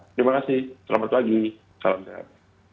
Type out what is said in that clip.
terima kasih selamat pagi salam sehat